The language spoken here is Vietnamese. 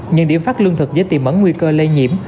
những điểm phát lương thực dễ tìm ẩn nguy cơ lây nhiễm